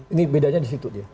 ini bedanya di situ dia